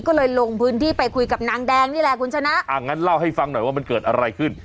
ก็เลยลงพื้นที่ไปคุยกับนางแดงนี่แหละคุณชนะอ่างั้นเล่าให้ฟังหน่อยว่ามันเกิดอะไรขึ้น